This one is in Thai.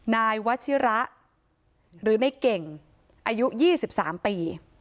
นายวัชิระหรือในเก่งอายุ๒๓ปี